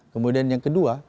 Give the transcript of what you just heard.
kemudian yang kedua